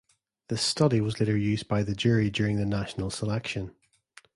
This study was later used by the jury during the national selection.